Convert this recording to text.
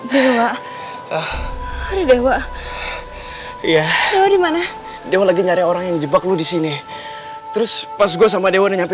dewa dewa iya dimana dia lagi nyari orang yang jebak lu di sini terus pas gue sama dewa nyampai